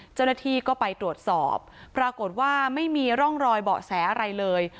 เจ้าหน้าที่ก็ไปตรวจสอบปรากฏว่าไม่มีร่องรอยเบาะแสอะไรเลย